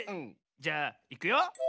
じゃあいくよ。